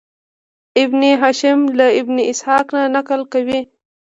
ابن هشام له ابن اسحاق نه نقل کوي.